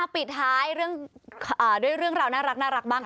ปิดท้ายด้วยเรื่องราวน่ารักบ้าง